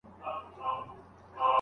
خاوند او ميرمن د بل عادات څنګه تشخيصوي؟